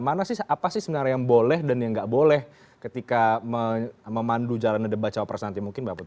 mana sih apa sih sebenarnya yang boleh dan yang nggak boleh ketika memandu jalan debat cawapres nanti mungkin mbak putri